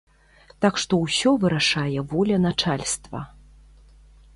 Так што ўсё вырашае воля начальства.